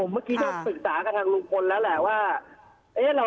เมื่อกี้ก็ปรึกษากับทางลุงพลแล้วแหละว่า